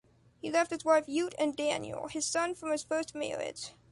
He left his wife Ute and Daniel, his son from his first marriage